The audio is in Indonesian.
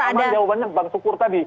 paling aman jawabannya bang sukur tadi